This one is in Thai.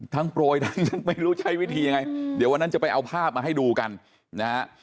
โปรยทั้งไม่รู้ใช้วิธียังไงเดี๋ยววันนั้นจะไปเอาภาพมาให้ดูกันนะฮะ